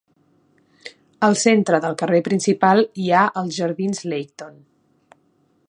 Al centre del carrer principal hi ha els jardins Leighton.